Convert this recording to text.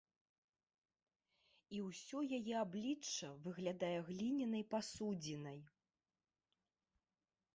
І ўсё яе аблічча выглядае глінянай пасудзінай.